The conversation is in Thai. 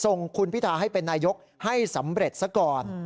ในการส่งคุณพิธาให้เป็นนายยกให้สำเร็จสักก่อน